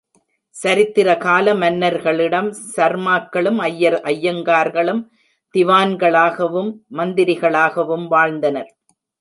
சரித்திர கால மன்னர்களிடம் சர்மாக்களும், ஐயர், ஐயங்கார்களும், திவான்களாகவும், மந்திரிகளாகவும் வாழ்ந்தனர்.